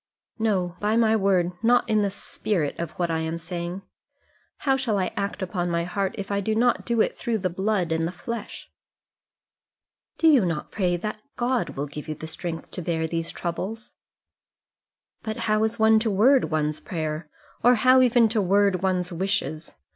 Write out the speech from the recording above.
"No, by my word; not in the spirit of what I am saying. How shall I act upon my heart, if I do not do it through the blood and the flesh?" "Do you not pray that God will give you strength to bear these troubles?" "But how is one to word one's prayer, or how even to word one's wishes?